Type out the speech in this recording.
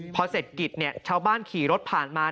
พอเสร็จกิจเนี่ยชาวบ้านขี่รถผ่านมา